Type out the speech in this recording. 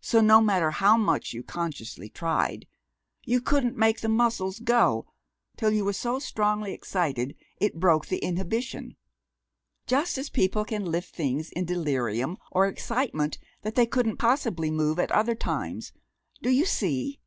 So no matter how much you consciously tried, you couldn't make the muscles go till you were so strongly excited it broke the inhibition just as people can lift things in delirium or excitement that they couldn't possibly move at other times. Do you see?"